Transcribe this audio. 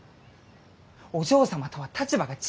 お嬢様とは立場が違いますき！